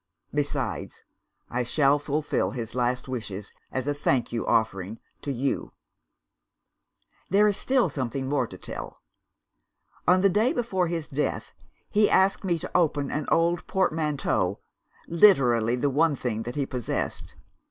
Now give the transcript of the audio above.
Besides, I shall fulfil his last wishes as a thank offering for You. "There is still something more to tell. "On the day before his death he asked me to open an old portmanteau literally, the one thing that he possessed.